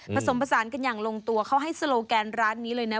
ผสมผสานกันอย่างลงตัวเขาให้โซโลแกนร้านนี้เลยนะ